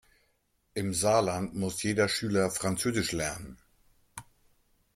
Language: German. Im Saarland muss jeder Schüler französisch lernen.